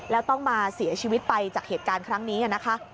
แล้วต้องมาเสียชีวิตไปจากเหตุการณ์ครั้งนี้นะคะ